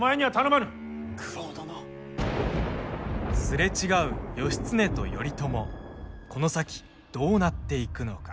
すれ違う義経と頼朝この先どうなっていくのか。